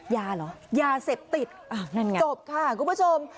ยาเหรอยาเสพติดนั่นไงจบค่ะคุณผู้ชม